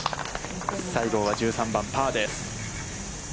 西郷は１３番、パーです。